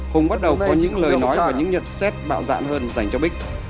hùng bắt đầu có những lời nói và những nhật xét bạo dạn hơn dành cho bích